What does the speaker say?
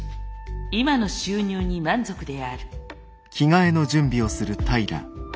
今の収入に満足である。